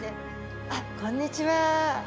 あっこんにちは。